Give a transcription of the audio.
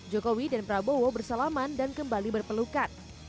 jokowi dan prabowo bersalaman dan kembali berpelukan